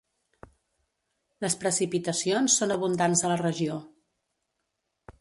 Les precipitacions són abundants a la regió.